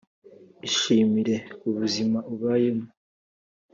ishimire ubuzima ubayemo